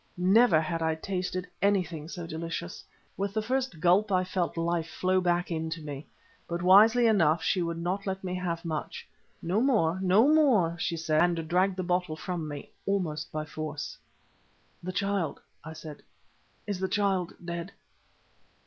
never had I tasted anything so delicious. With the first gulp I felt life flow back into me. But wisely enough she would not let me have much. "No more! no more!" she said, and dragged the bottle from me almost by force. "The child," I said—"is the child dead?"